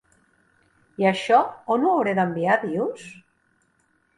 I això on ho hauré d'enviar dius?